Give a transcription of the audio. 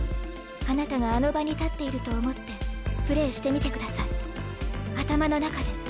あなたがあの場に立っていると思ってプレーしてみてください頭の中で。